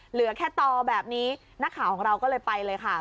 เหลือแค่ตอแบบนี้นักข่าวของเราก็เลยไปเลยค่ะ